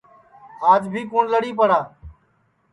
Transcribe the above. آج بھی کُوٹؔ لڑی پڑا